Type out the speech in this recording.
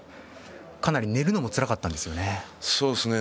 かなり寝るのもつらかったんですよね。